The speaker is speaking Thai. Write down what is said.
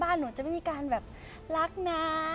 หนูจะไม่มีการแบบรักนะ